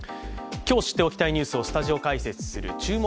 今日、知っておきたいニュースをスタジオ解説する「注目！